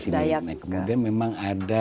dayak ke kemudian memang ada